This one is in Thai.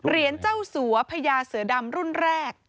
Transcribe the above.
เจ้าสัวพญาเสือดำรุ่นแรก